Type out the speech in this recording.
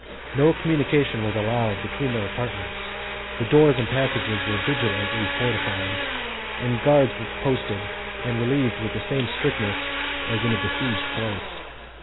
18 No communication was allowed between their apartments; the doors and passages were diligently fortified, and guards posted and relieved with the same strictness as in a besieged place.